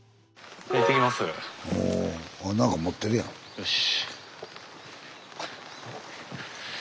よし！